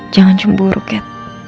jangan cemburu kat